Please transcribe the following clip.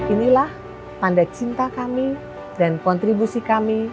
inilah tanda cinta kami dan kontribusi kami